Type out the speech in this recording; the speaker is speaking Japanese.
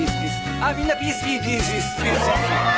あっみんなピースピースピースピース。